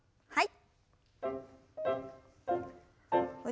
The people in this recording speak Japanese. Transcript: はい。